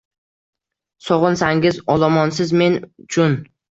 Sog‘insangiz olomonsiz men uchun.